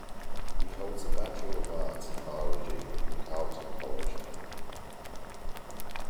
He holds a Bachelor of Arts in Biology from Carleton College.